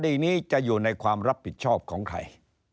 คดีนี้จะอยู่ในความรับผิดชอบของใคร